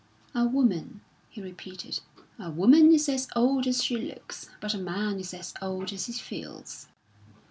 "A woman," he repeated "a woman is as old as she looks; but a man is as old as he feels!"